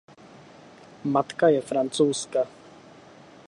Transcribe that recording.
Matka je Francouzka.